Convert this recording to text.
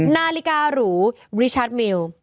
นาฬิการูบริชาร์จมิล